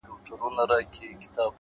بي له تانه ژوند سحت شوی مي له داره